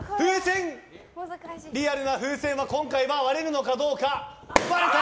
リアルな風船は今回は割れるのか割れた！